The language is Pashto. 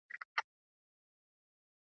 شعرونه د یادولو وړ دي .